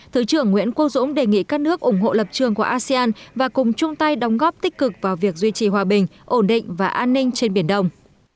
thứ trưởng nguyễn quốc dũng đề nghị các nước ủng hộ lập trường của asean và cùng chung tay đóng góp tích cực vào việc duy trì hòa bình ổn định và an ninh trên biển đông